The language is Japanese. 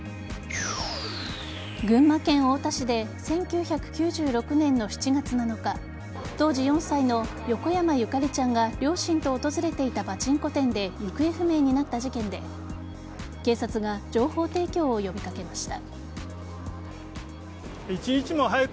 群馬県太田市で１９９６年の７月７日当時４歳の横山ゆかりちゃんが両親と訪れていたパチンコ店で行方不明になった事件で警察が情報提供を呼びかけました。